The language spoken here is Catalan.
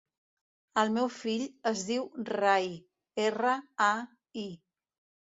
El meu fill es diu Rai: erra, a, i.